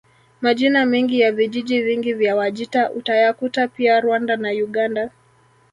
Majina mengi ya vijiji vingi vya Wajita utayakuta pia Rwanda na Uganda